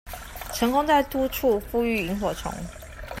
成功在多處復育螢火蟲